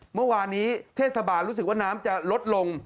เมื่อวานนี้เทศบาลรู้สึกว่าน้ำจะลดลง